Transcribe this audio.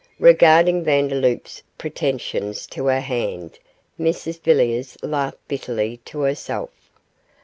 Regarding Vandeloup's pretensions to her hand, Mrs Villiers laughed bitterly to herself.